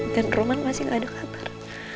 dan roman masih nggak ada kabar